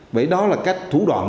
vậy đó là cách thủ đoạn